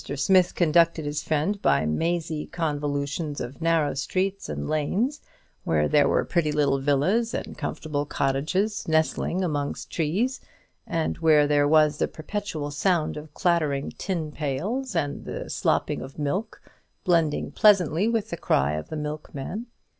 Smith conducted his friend by mazy convolutions of narrow streets and lanes, where there were pretty little villas and comfortable cottages nestling amongst trees, and where there was the perpetual sound of clattering tin pails and the slopping of milk, blending pleasantly with the cry of the milkman.